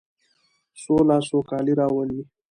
سوله سوکالي راوړي.